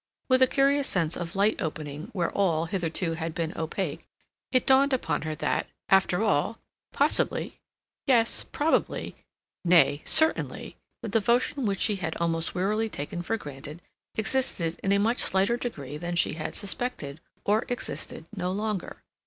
With a curious sense of light opening where all, hitherto, had been opaque, it dawned upon her that, after all, possibly, yes, probably, nay, certainly, the devotion which she had almost wearily taken for granted existed in a much slighter degree than she had suspected, or existed no longer.